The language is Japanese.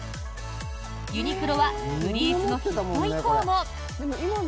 ユニクロはフリースのヒット以降も。